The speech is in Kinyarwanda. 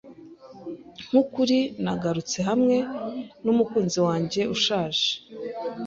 Nkukuri, nagarutse hamwe numukunzi wanjye ushaje.